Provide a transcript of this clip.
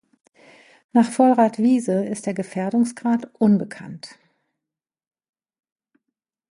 Nach Vollrath Wiese ist der Gefährdungsgrad unbekannt.